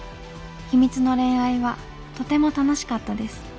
秘密の恋愛はとても楽しかったです。